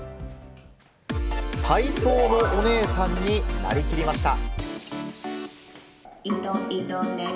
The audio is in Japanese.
体操のお姉さんになりきりました。